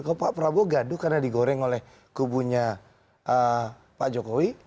kalau pak prabowo gaduh karena digoreng oleh kubunya pak jokowi